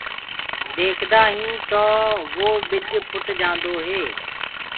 ديکدآ هين تو وو ٻج ڦٽ جآندو هي